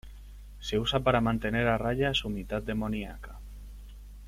Se usa para mantener a raya a su mitad demoníaca.